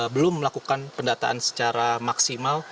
belum melakukan pendataan secara maksimal